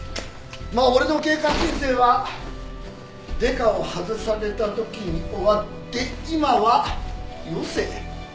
まあ俺の警官人生はデカを外された時に終わって今は余生。